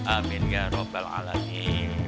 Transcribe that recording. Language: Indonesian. amin ya rabbal alamin